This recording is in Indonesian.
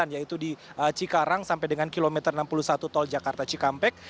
yaitu di cikarang sampai dengan kilometer enam puluh satu tol jakarta cikampek